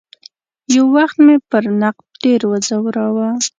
یو وخت مې پر نقد ډېر وځوراوه.